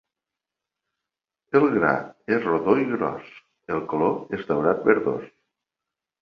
El gra és rodó i gros, el color és daurat verdós.